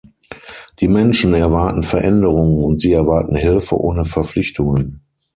Die Menschen erwarten Veränderung, und sie erwarten Hilfe ohne Verpflichtungen.